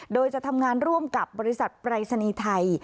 โดยจะทำงานร่วมกับบริษัทปรายศนีย์ไทย